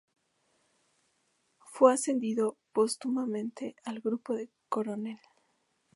Fue ascendido póstumamente al grado de Coronel.